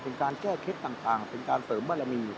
เป็นการแก้เคล็ดต่างเป็นการเสริมบารมี